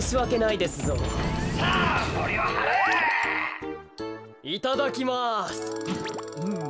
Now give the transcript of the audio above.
いただきます。